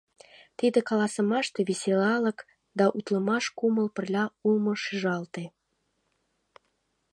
Тиде каласымаште веселалык да утлымаш кумыл пырля улмо шижалте.